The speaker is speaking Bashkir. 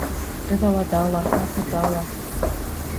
Ыҙалата ла, һаҫыта ла.